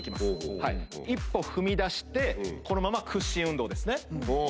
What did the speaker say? １歩踏み出してこのまま屈伸運動ですね。